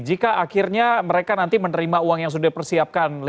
jika akhirnya mereka nanti menerima uang yang sudah dipersiapkan